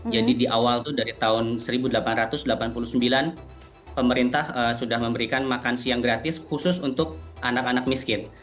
di awal itu dari tahun seribu delapan ratus delapan puluh sembilan pemerintah sudah memberikan makan siang gratis khusus untuk anak anak miskin